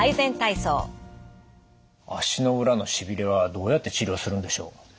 足の裏のしびれはどうやって治療するんでしょう？